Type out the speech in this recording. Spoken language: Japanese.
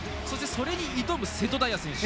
それに挑む瀬戸大也選手。